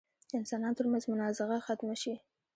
د انسانانو تر منځ منازعه ختمه شي.